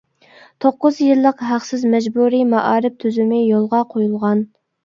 توققۇز يىللىق ھەقسىز مەجبۇرىي مائارىپ تۈزۈمى يولغا قويۇلغان.